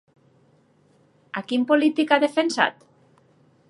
A quin polític ha defensat?